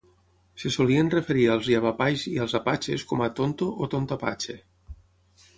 Se solien referir als yavapais i als apatxes com a "tonto" o "tonto apatxe".